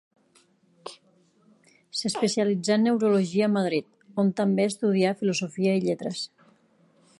S'especialitzà en neurologia a Madrid, on també estudià filosofia i lletres.